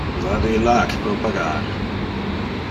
Vade illac pro pagar.